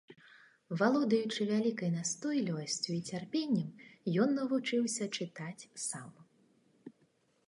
Валодаючы вялікай настойлівасцю і цярпеннем, ён навучыўся чытаць сам.